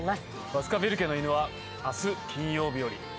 『バスカヴィル家の犬』は明日金曜日より。